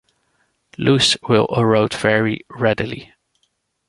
Loess will erode very readily.